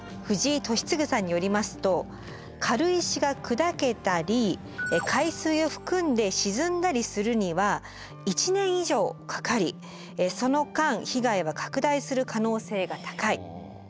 藤井敏嗣さんによりますと軽石が砕けたり海水を含んで沈んだりするには１年以上かかりその間被害は拡大する可能性が高い。